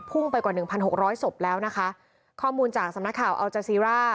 พุ่งไปกว่าหนึ่งพันหกร้อยศพแล้วนะคะข้อมูลจากสำนาคาวเอาเจอร์ซีร่า